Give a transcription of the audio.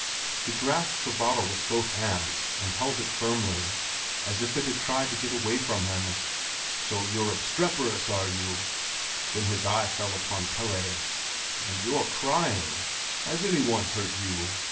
He grasped the bottle with both hands and held it firmly, as if it had tried to get away from him. "So you're obstreperous, are you?" Then his eye fell upon Pelle. "And you're crying! Has any one hurt you?